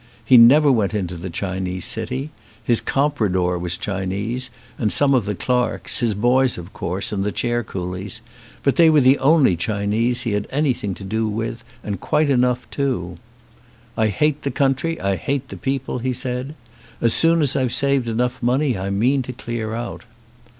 He never went into the Chinese city. His compradore was Chinese, and some of the clerks, his boys of course, and the chair coolies ; but they were the only Chinese he had any thing to do with, and quite enough too. "I hate the country, I hate the people," he said. "As soon as I've saved enough money I mean to clear out."